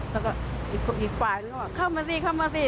แล้วก็อีกฝ่ายนึงก็เข้ามาสิเข้ามาสิ